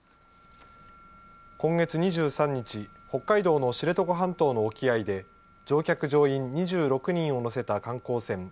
今月２３日北海道の知床半島の沖合で乗客・乗員２６人を乗せた観光船